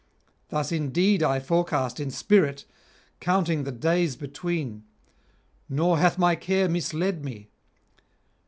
Thus indeed I forecast in spirit, counting the days between; nor hath my care misled me.